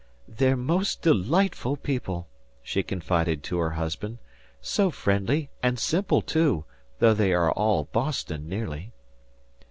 "They're most delightful people," she confided to her husband; "so friendly and simple, too, though they are all Boston, nearly."